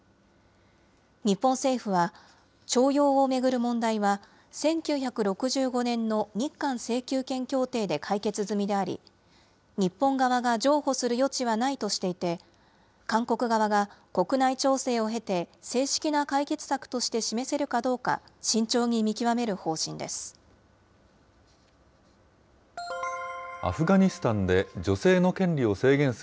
日本政府は、徴用を巡る問題は、１９６５年の日韓請求権協定で解決済みであり、日本側が譲歩する余地はないとしていて、韓国側が国内調整を経て、正式な解決策として示せるかどうか、慎重に見極める方針です。